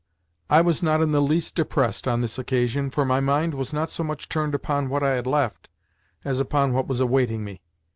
I was not in the least depressed on this occasion, for my mind was not so much turned upon what I had left as upon what was awaiting me.